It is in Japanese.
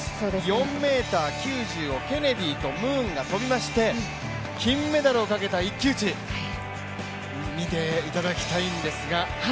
４ｍ９０をケネディとムーンが飛びまして、金メダルをかけた一騎打ち、見ていただきたいんですが。